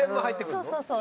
そうそうそう。